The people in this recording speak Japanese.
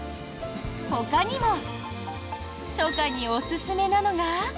ほかにも初夏におすすめなのが。